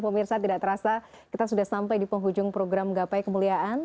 pemirsa tidak terasa kita sudah sampai di penghujung program gapai kemuliaan